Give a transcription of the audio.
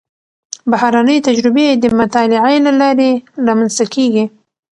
بهرنۍ تجربې د مطالعې له لارې رامنځته کېږي.